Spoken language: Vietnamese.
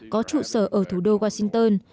có trụ sở ở thủ đô washington